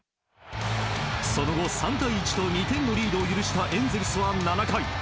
その後、３対１と２点のリードを許したエンゼルスは７回。